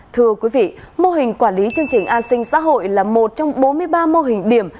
thưa quý vị mô hình quản lý chương trình an sinh xã hội là một trong bốn mươi ba mô hình điểm